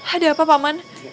ada apa pak man